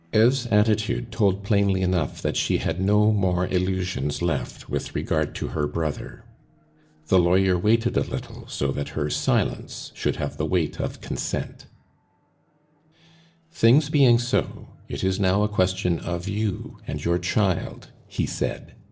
Eve's attitude told plainly enough that she had no more illusions left with regard to her brother. The lawyer waited a little so that her silence should have the weight of consent. "Things being so, it is now a question of you and your child," he said.